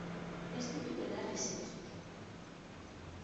Ez ditu belarriz entzuten.